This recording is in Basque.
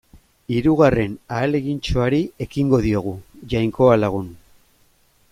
Hirugarren ahalegintxoari ekingo diogu, Jainkoa lagun.